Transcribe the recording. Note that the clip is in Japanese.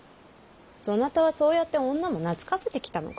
そなたはそうやって女も懐かせてきたのか。